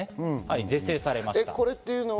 是正されました。